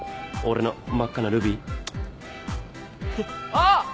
あっ！